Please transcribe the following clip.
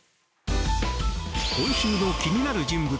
今週の気になる人物